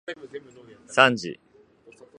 さんじ